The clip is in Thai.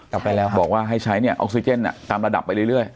กลับไปแล้วบอกว่าให้ใช้เนี่ยออกซิเจนตามระดับไปเรื่อย